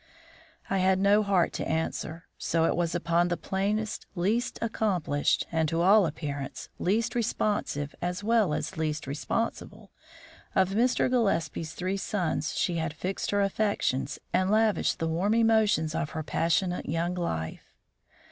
I had no heart to answer. So it was upon the plainest, least accomplished, and, to all appearance, least responsive as well as least responsible, of Mr. Gillespie's three sons she had fixed her affections and lavished the warm emotions of her passionate young life.